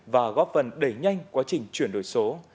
và góp phần đẩy nhanh quá trình chuyển đổi số